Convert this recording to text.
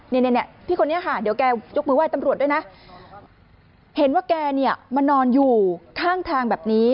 เนี่ยพี่คนนี้ค่ะเดี๋ยวแกยกมือไห้ตำรวจด้วยนะเห็นว่าแกเนี่ยมานอนอยู่ข้างทางแบบนี้